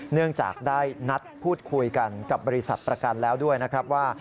เนื่องจากได้นัดพูดคุยกันกับบริษัทประกันแล้วด้วยนะครับว่า